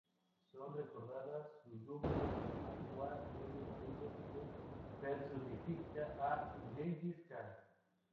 Son recordadas sus duplas con Juan Levy Rodríguez, que personificaba a Gengis Kahn.